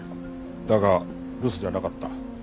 だが留守じゃなかった。